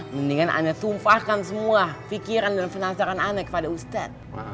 mendingan anda tumpahkan semua pikiran dan penasaran anda kepada ustadz